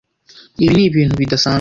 Ibi nibintu bidasanzwe